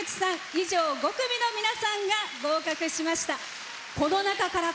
以上５組の皆さんが合格しました。